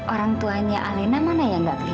orang tuanya alena mana yang gak kelihatan